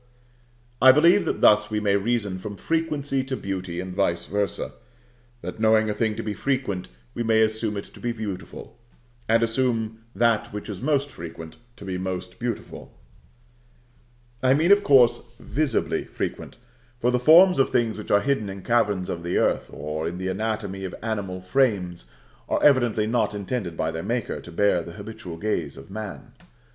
I believe that thus we may reason from Frequency to Beauty and vice versâ; that knowing a thing to be frequent, we may assume it to be beautiful; and assume that which is most frequent to be most beautiful: I mean, of course, visibly frequent; for the forms of things which are hidden in caverns of the earth, or in the anatomy of animal frames, are evidently not intended by their Maker to bear the habitual gaze of man.